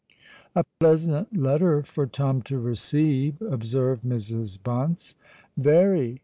"A pleasant letter for Tom to receive!" observed Mrs. Bunce. "Very.